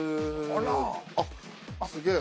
あっすげえ！